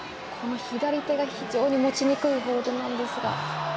左手が非常に持ちにくいホールドなんですが。